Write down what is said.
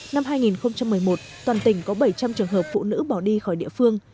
năm hai nghìn một mươi một toàn tỉnh có bảy trăm linh trường hợp phụ nữ bỏ đi khỏi địa phương